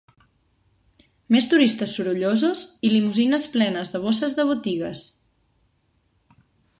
Més turistes sorollosos i limusines plenes de bosses de botigues.